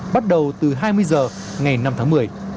bắt đầu từ hai mươi h ngày năm tháng một mươi